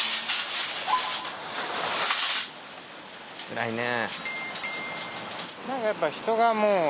つらいね。